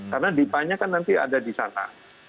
karena dipanya kan nanti ada di sana